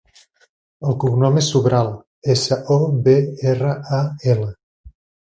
El cognom és Sobral: essa, o, be, erra, a, ela.